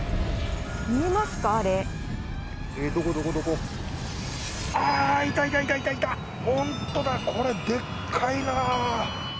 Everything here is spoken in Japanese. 本当だ、いたいたこれ、でっかいな！